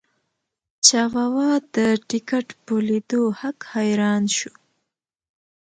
چاواوا د ټکټ په لیدو هک حیران شو.